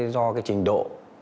do cái trình độ